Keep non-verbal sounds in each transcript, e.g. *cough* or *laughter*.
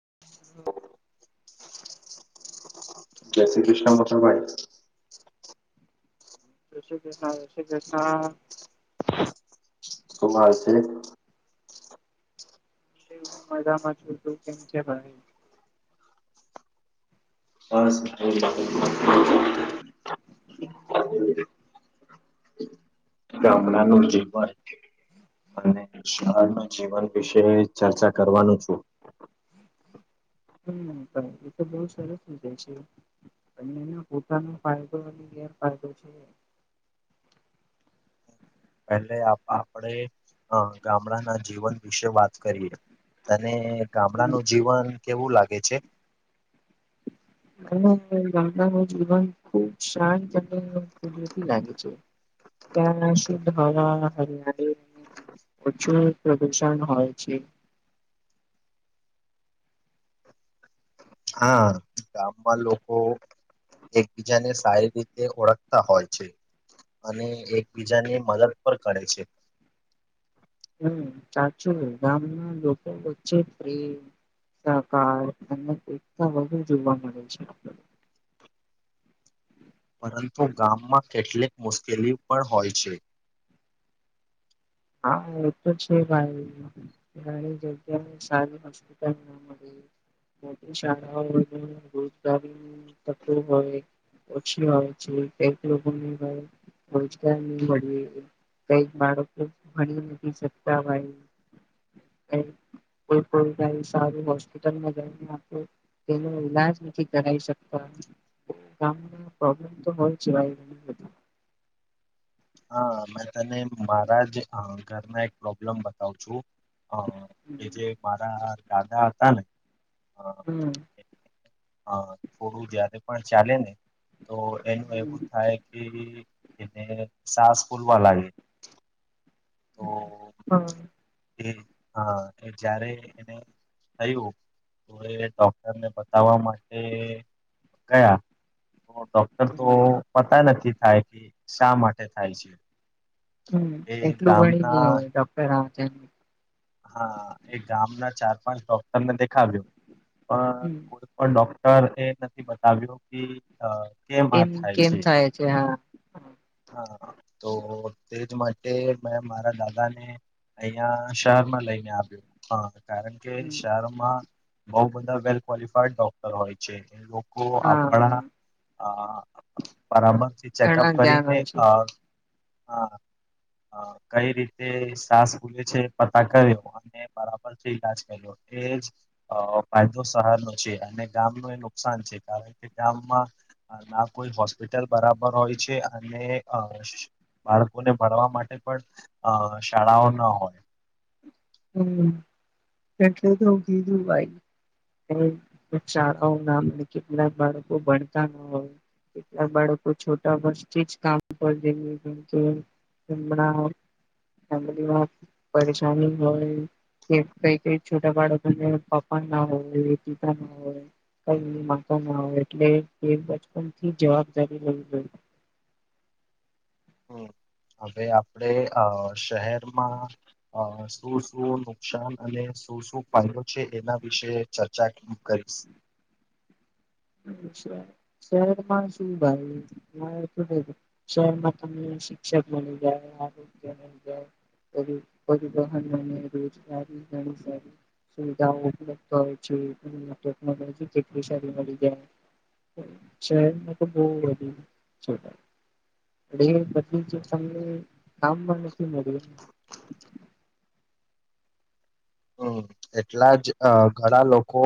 *inaudible* જય શ્રી કૃષ્ણ મકલભાઈ જ શ્રી કૃષ્ણ જ શ કૃષ્ણ શુ હાલ છે. હું મજામાં છું તું કેમ છે ભાઈ *unintelligible* ગામડાનું જીવન અને શહેરનુનાજીવન વિશે ચર્ચા કરવાનું છું. હમ ભ એ તો બહ સરસ વિજાય છે. અને એનો પોતાનો ફાયદો અને ગેરફાયદો છે પેલે આપણે ગામડાના જીવન વિશે વાત કરીએ અને ગામડાનું જીવન કેવું લાગે છે. ગામડા ન જીવન ખુબ શાંત અને કુદરતી લાગે છે. ત્યાં શિધ હરિયાણી પ્રછું પ્રદૂષણ હોય છે. *inaudible* હા ગામમાં લોકો એકબીજાને સારી રીતે ઓળખતા હોય છે. અને એકબીજાને મદદ પણ કરે છે. હુમ સાચું ગામના લોકો વચ્ચે પેમ સકાર અને એકતા વધુ જોવા મળે છે આપણ ને પરંતુ ગામમાં કેટલીક મુશ્કેલી પણ હોય છે. હા એ તો છે છે ભાઈ જગ્યા સારી હસ્પિટલ ન મડે મોટી શાળાઓ રોજગારી તકો હોય. ઓછી હોય છે કઈક લોકોને રોજગાર નહી મળી એ કઈક બાળકોને ભણી નથી શકતા હોય ક કોઈ કોઈ સારું હોસ્પિટલમાં જને તેનો ઈલાજ નથી કરાવી શકતા ગામ પ્રોબ્લેમ તો હોય છેબધા *inaudible* હા મેં તને મારા જ ઘરના એક પ્રોબ્લેમ બતાવ છું. અ એ હમ જે મારા દાદા હતા ને હુમ હા થોડું જયારે પણ ચાલે ને તો એનું એવું થાય કે એને સાસ બોલવા લાગે તો હા એ હા એ જય્યારે એને થયું તો એ ડોક્ટરને બતાવવા માટે ગયા તો ડોક્ટર તો હમ પતા નથી થાય કે શા માટે થાય છે. હુમ એ એટલું ભણી નઈ ગામના હોય ડોક્ટર હા એ ગામના ચાર પાંચ ડોક્ટર ને દેખાવ્યું પણ હમ કોઈ પણ ડોક્ટર એ નથી બતાવ્યો કે કે વા એમ થાય કેમ છે હા હા તો તેજ માટે મેં મારા દાદા ને અહં શહેરમાં લઈને આવ્યો હ કારણ કે હમ શહેરોમાં બઉ બધા વેલ ક્વોલિફાઈડ ડોક્ટર હોય છે એ લોકો હા આપણા પરામર્શથી ચેકઅપ ઘણા જ્ઞાન કરીને હોય છે હા કઈ રીતે સાસ ખૂલે છે પતા કર્યો અને બરાબર થી ઇલાજ કર્યો એજ ફાયદો સહાર નો છે અને ગામનું એ નુકસાન છે કારણ કે ગામમાં ના કોઈ હોસ્પિટલ બરાબર હોય છે અને બાળકોને ભણવા માટે પણ અમુકશાળાઓ ના હોય હમ એટલે તો કીધું ભાઈ શાળાઓ નાને કેટલાક બાળકો ભણતા ના હોય કેટલા બાળકો છોટા વર્ષથી જ કામ કર દેને જેમ કે એ ફમમાં પરેશાની હોય કે કઈ કઈ છોટા બાળકોને પપા ના હોય પિતા ના હોય કઈ મા ન આવે એટલે બચપન થી જવાબદારી લવી જોઈ હમ હવે આપણે અ શહેરમાં અ શું શું નુકસાન અને શું શું ફાયદો છે એના વિશે ચર્ચા કરી *inaudible* શહેરમાં શું ભાઈ શહેરમાં તમે શિક્ષક બની જાય આરોગ્ય બની જાય દહને રજગ સુવિધાઓ ઉપલબ્ધ હોય છે ટેકનોલોજી કેટલી સારી મળી બ અ બદલી છે તમને કામમાં નથી મળ્યું એ હમ એટલા જ ઘણા લોકો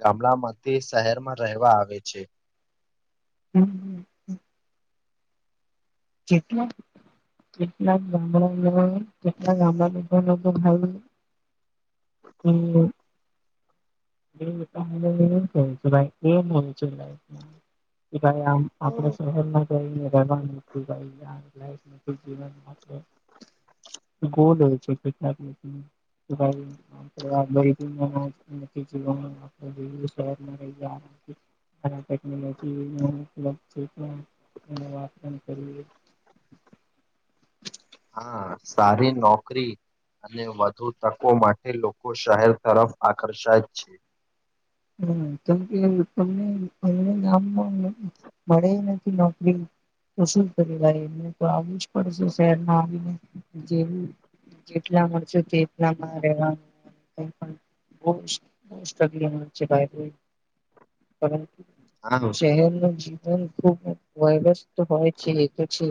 ગામડામાં શહેરમાં રહેવા આવે છે હમ હ હ જેટલા કેટલા ગામડા કેટલા ગામડા લોકો લોકો ભાવ હમ એ એમ કું છું એ હું લમાં એયા આપણે સર વાનું લ નથી જીવન ગો લે છેટના *inaudible* *inaudible* જી શહેરમાં નહી જ ટેકનોલોજી ઉપ્ વાર કરી હા સારી નોકરી અને વધુ તકો માટે લોકો શહેર તરફ આકર્ષાય છે હમ તોમકે તને અમને નામ મળે નથી નોકરી તો શું કર ભાઈ એને તો આવું જ પડશે શહેરમાં આવીને જેવું જેટલા મળશે તે એટલામાં રહેવાનું પણ બહુ સ્ટ્રગલંગ પરંતુ આમ શહેરનું જીવન ખબ વયરસ તો હોય છે એ તો છે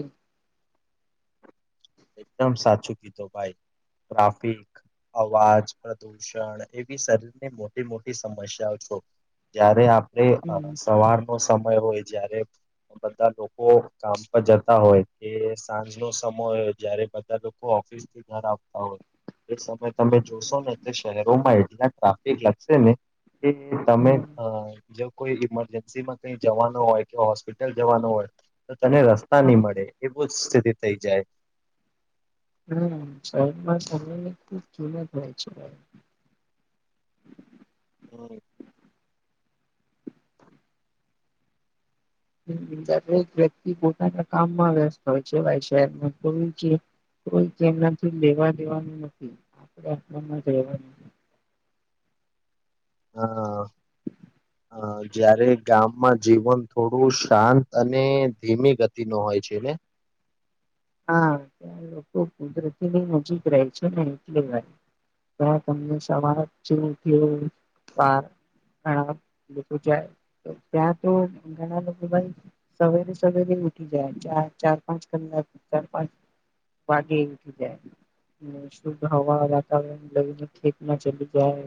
એકદમ સાચું કીધું ભાઈ ટ્રાફિક અવાજ પ્રદુષણ એવી શરીરની મોટી મોટી સમસ્યાઓ છો જયારે આપડે હમ સવારનોો સમય હોય જયારે બધા લોકો કામ પર જતા હોય કે સાંજ ન સમય જયારે બધા લોકો ઓફિસથી ઘર આવતા હોય એ સમય તમે જોશો ને તે શહેરોમાં એટલા ટ્રાફિક લાગશે ને. કે તમે હમ અ જે કોઈ ઈમરજન્સી માં કઈ જવાનું હોય કે હોસ્પિટલ જવાનો હોય તને રસ્તા નહી મળે એવું જ સ્થિતિ થઈ જાય હમ શહેરમાં શરની ખૂબ કિમત હોય છે. હમ. હ દરેક વ્યક્તિ પોતાના કામમાં વ્યસ્ત હોય છેવા શહેરમાં તો કોઈ જેમનાથી લેવા દેવાનું નથી આપણે આપણામાં જ રહેવાનું હા અ જયારે ગામમાં જીવન થોડું શાંત અને ધીમી ગતિ ન હોય છે ને હા ત્યાં લોકો કુદરતીની નજીક રહે છે ને એટલે વા ત તમને સવાર ઘણા લોકો જાય ત્યાં તો ઘણા લગભ સવેરે સવેરે ઉઠી જાય ચ ચાર પાંચ કલાક ચાર પાંચ વાગે ઉઠી જાય શુદ્ધ હવા વાતાવરણ લઈને ખેતમાં ચલી જાય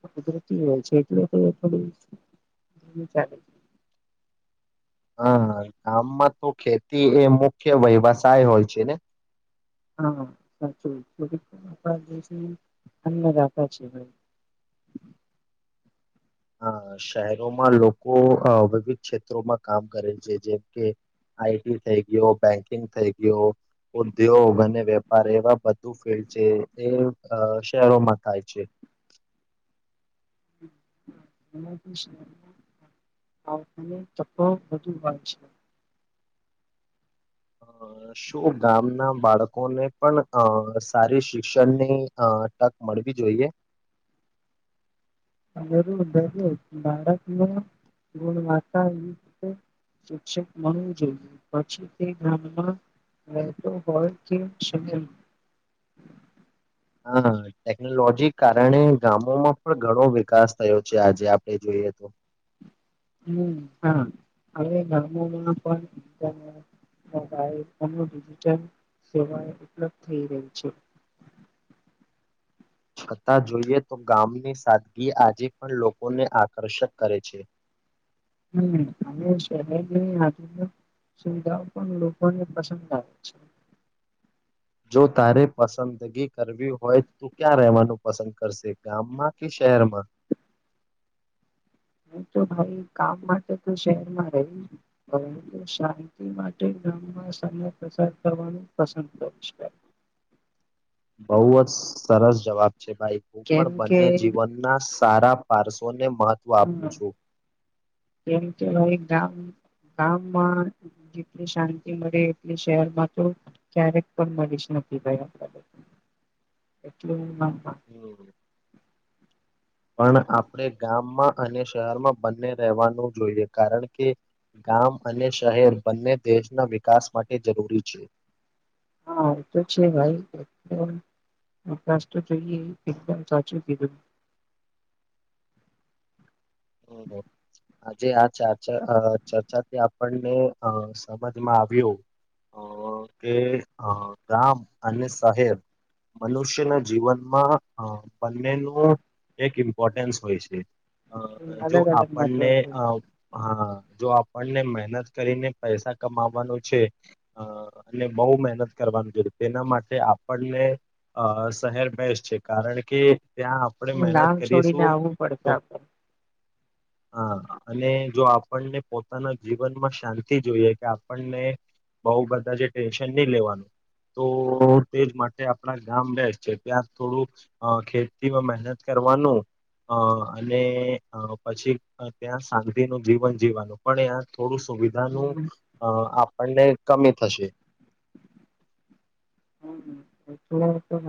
હ કુદરતી હોય છે એટલે થ હ ચાલે છે હા ગામમાં તો ખેતી એ મુખ્ય વ્યવસાય હોય છે ને હા સાચું આપ જે અમમેદખે છેીએ ભ અ શહેરોમાં લોકો વિવિધ ક્ષેત્રોમાં કામ કરે છે જેમ કે આઈટી થઈ ગયો બેંકિંગ થઈ ગયો ઉદ્યોગ અને વેપાર એવા બધું ફિલ્ડ એ શહેરોમાં થાય છે એ આાવ બુ હોય છે અ શું ગામના બાળકોને પણ અ સારી શિક્ષણની અ તક મળવી જોઈએ અ ભારતમાં ગુણવતા શિક્ષિત મળવું જોઈએ પછી તે ગામમાં એ તો હોય કે શ હા ટેકનોલોજી કારણે ગામોમાં પણ ઘણો વિકાસ થયો છે આજે આપણે જોઈએ તો હમ હા હવે ગમોમાં પણ મોબાઈલ અને ડિજિટલ સેવા ઉપલબ્ધ થઈ રહી છે છતાં જોઈએ તો ગામની સાદગી આજે પણ લોકોને આકર્ષક કરે છે હમ સુવિધાઓ પણ લોકોને પસંદ આવે છે જો તારે પસંદગી કરવી હોય તું ક્યાં રહેવાનું પસંદ કરશે ગામમાં ક કેરમાં હું તો ભાઈ કામ માટે તો શહેરમાં રહીશ પણ શાંતિ માટે પસાર કરવાનું પસંદ કરીાય બહુ જ સરસ જવાબ છે ભાઈ હું કેમ પણ કે બંને જીવનના સારા, પાર્સોને હમ, કેમ કે ગામ ગામમા જેટલી, શાંતિ મળે એટલી શહેરમાં, તો ક્યારેક પણ મળી *unintelligible* એટલેમા *unintelligible* પણ આપણે ગામમાં અને શહેરમાં બંને રહેવાનું જોઈએ, કારણ કે ગામ અને શહેર બંને દેશ દેશના વિકાસ માટે જરૂરી છે. હા, એ તોું જ નહી, ભાઈ તો જોઈએ, એકદમ સાચું કીધું *unintelligible* આજે, આ ચર્ચા ચર્ચાથી આપણને સમજમાં આવ્યું. અ કે ગામ, અને શહેર મનુષ્યના જીવનમાં, બંનેનું એક ઇમ્પોર્ટન્સ હોય છે. જો, અલગ અલગ આપણને મહત્વ હ જો આપને મહેનત કરીને પૈસા કમાવવાનું છે, અને બહુ મહેનત કરવાનું છે. તેના માટે આપણને અ શહેર બેસ્ટ છે, કારણ કે ત્યાં આપણે છે મહેનત ગામ છોડીને કરીશું, આવવું પડશે તો આપડે હા, અને જો આપણને પોતાના જીવનમાં શાંતિ જોઈએ, કે આપણને બઉ બધા જે ટેન્શન નહી, લેવાનું તો તેજ માટે આપણા ગામ બેસ છે, ત્યાં થોડું ખેતીમાં મહેનત કર કરવાનું હા, અને અ પછી, ત્યાં શાંતિનું જીવન, જીવાનું પણ ત્યાં થોડું સુવિધાનું હમ આપને કમી થશે હમ તો હ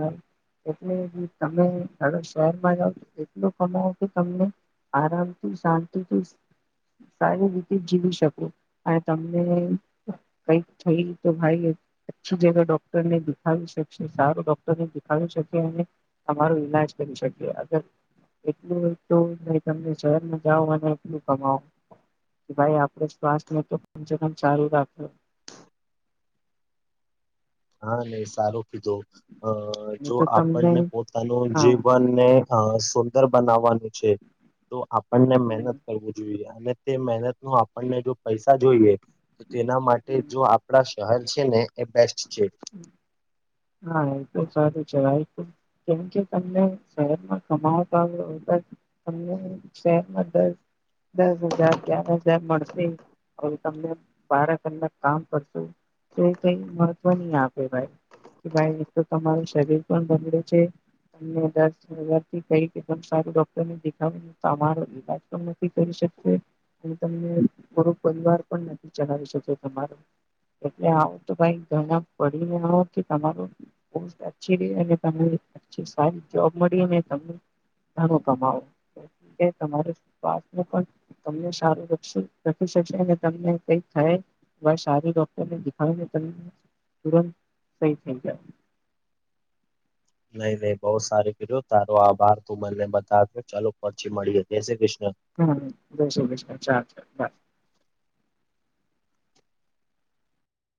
એટલે તમેડો શહેરમાં જાવ, એટલું કમાવ કે તમને આરામથી શાંતિથી સારી રીતે જીવી, શકું અને તમને કઈક થઈ, તો ભાઈ છું, જ ડોક્ટર ને દેખાવ શકે સારું ડોક્ટરને દેખાડી શકી, અને તમારો ઈલાજ કરી શકીએ અગર- એટલું, ત શહેરમાં જાઓ, અને એટલું કમાવો કે ભાઈ આપણે શ્વાસથને, તો કમ સ કમ સારું રાખવ હા, નઈ સારું જો નહી તો તમને આપણને પોતાનું, હા જીવનને બનાવાનું છે, તો આપણને મહેનત કરવું જોઈએ અને તે મહેનત ન આપણને જો, પૈસા જોઈએ, તો તેના માટે જો આપણા હાલ છેને, એ બેસ્ટ છે હા, એ તો સારું છે, ભાઈ કેમકે, તમને શહેરમાં કમાવટ આવ્યો. તમને શહેરમાં દસ દસ હજાર, ગ્યાર હજાર મળશે. હવે, તમને બાર કલાક કામ કરશું, તો કઈ વન આપે ભાઈ, કે ભાઈ, તો તમારું શરીર પણ બડ છે. તમથીદમ સારું ડોક્ટર ને દેખાવને, તમારો ઈલાજ પણ નથી, કરી તરો પરિવાર પણ નથી, ચલાવી શ તમારો એટલે આવું, તો ભાઈ પડીને તમાર પોસ્ટ અછી, ર અને સારી જોબ મળ અ તમ કમાવો તમા શસ પણ તમને સારુંખ તમને કક થાય સારી ડોક્ટરને દેખને ત તુરંત સહી થઈ જાય નહી નહી બહ સારી કર્યું તારો આભાર તું મને બતાવ્યો ચાલો પછી મળીએ જય શ્રી કૃષ્ણ હમ જય શષ ચાલ ચ બાય